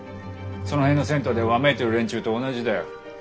その辺の銭湯でわめいている連中と同じだよ。